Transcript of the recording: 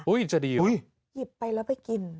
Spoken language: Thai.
อุ๊ยจะดีเหรอหยิบไปแล้วไปกิน